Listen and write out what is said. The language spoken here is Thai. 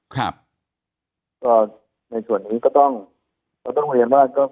ก็ในส่วนนี้ก็ต้องเรียนว่า